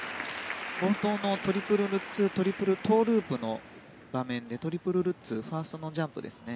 冒頭のトリプルルッツトリプルトウループのところでトリプルルッツファーストのジャンプですね